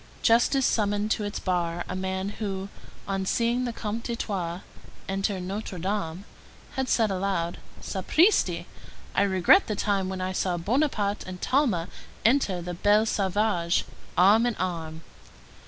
Justice summoned to its bar a man who, on seeing the Comte d'Artois enter Notre Dame, had said aloud: _"Sapristi! I regret the time when I saw Bonaparte and Talma enter the Bel Sauvage, arm in arm."